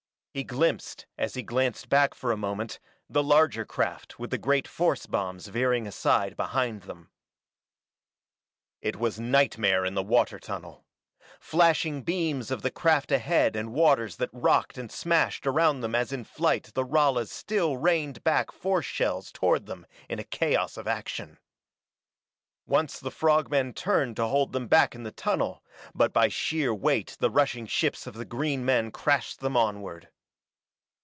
He glimpsed as he glanced back for a moment the larger craft with the great force bombs veering aside behind them. It was nightmare in the water tunnel. Flashing beams of the craft ahead and waters that rocked and smashed around them as in flight the Ralas still rained back force shells toward them in a chaos of action. Once the frog men turned to hold them back in the tunnel, but by sheer weight the rushing ships of the green men crashed them onward.